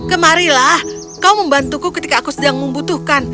kemarilah kau membantuku ketika aku sedang membutuhkan